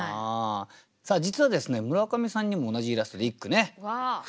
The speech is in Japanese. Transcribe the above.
さあ実はですね村上さんにも同じイラストで一句ね。